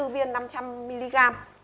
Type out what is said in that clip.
hai mươi bốn viên năm trăm linh mg